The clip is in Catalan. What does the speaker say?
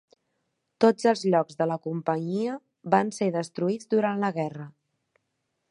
Tots els llocs de la companyia van ser destruïts durant la guerra.